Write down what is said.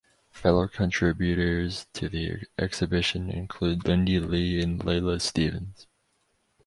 Fellow contributors to the exhibition include Lindy Lee and Leyla Stevens.